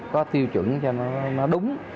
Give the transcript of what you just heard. có tiêu chuẩn cho nó đúng